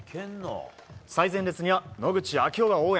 最前列には野口啓代が応援。